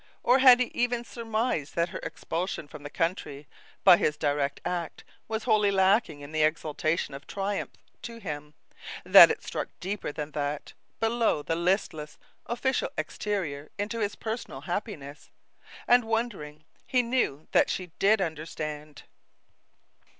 Or had even surmised that her expulsion from the country, by his direct act, was wholly lacking in the exaltation of triumph to him; that it struck deeper than that, below the listless, official exterior, into his personal happiness? And wondering, he knew that she did understand.